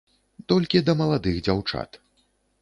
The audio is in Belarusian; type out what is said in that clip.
Толькі да маладых дзяўчат.